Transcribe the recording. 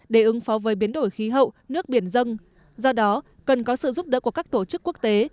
để ứng phó với biến đổi khí hậu nước biển dân do đó cần có sự giúp đỡ của các tổ chức quốc tế